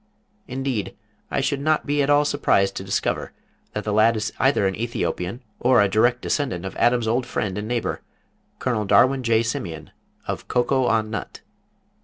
Indeed, I should not be at all surprised to discover that the lad is either an Æthiopian, or a direct descendant of Adam's old friend and neighbor, Col. Darwin J. Simian, of Coacoa on Nut.